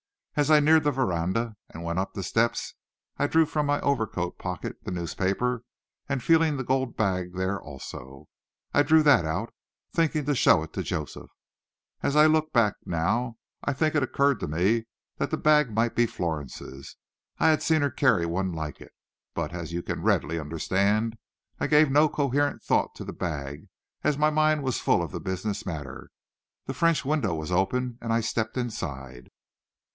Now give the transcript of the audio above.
As I neared the veranda, and went up the steps, I drew from my overcoat pocket the newspaper, and, feeling the gold bag there also, I drew that out, thinking to show it to Joseph. As I look back now, I think it occurred to me that the bag might be Florence's; I had seen her carry one like it. But, as you can readily understand, I gave no coherent thought to the bag, as my mind was full of the business matter. The French window was open, and I stepped inside."